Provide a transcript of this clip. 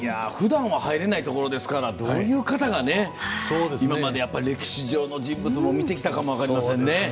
ふだんは入れないところですからどういう方が今まで歴史上の人物も見てきたかも分かりませんね。